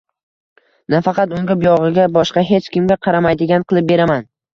Nafaqat unga, buyog`iga boshqa hech kimga qaramaydigan qilib beraman